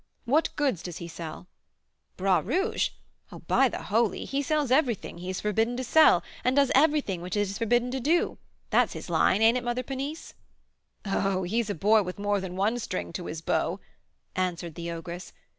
"What goods does he sell?" "Bras Rouge? Oh, by the Holy! he sells everything he is forbidden to sell, and does everything which it is forbidden to do. That's his line, ain't it, Mother Ponisse?" "Oh! he's a boy with more than one string to his bow," answered the ogress.